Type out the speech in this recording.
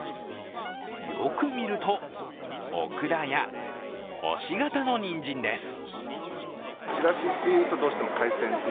よく見ると、オクラや星形のにんじんです。